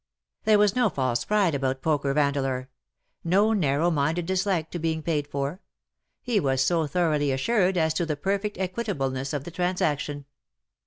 There was no false pride about Poker Vandeleur ; no narrow minded dislike to being paid for. He was so thoroughly assured as to the perfect equitableness of the transaction.